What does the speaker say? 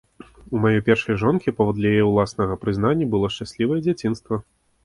У маёй першай жонкі, паводле яе ўласнага прызнання, было шчаслівае дзяцінства.